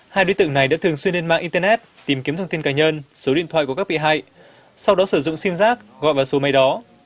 hai đối tượng này đã thường xuyên lên mạng internet tìm kiếm thông tin cá nhân số điện thoại của các bị hại sau đó sử dụng sim giác gọi vào số máy đó